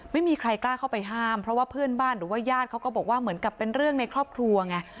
ไม่มีใครกล้าเข้าไปห้ามเพราะว่าเพื่อนบ้านหรือว่าญาติเขาก็บอกว่าเหมือนกับเป็นเรื่องในครอบครัวไง